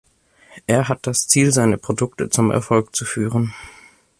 Er hat das Ziel, seine Produkte zum Erfolg zu führen.